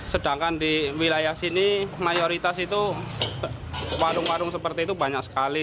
sedangkan di wilayah sini mayoritas itu warung warung seperti itu banyak sekali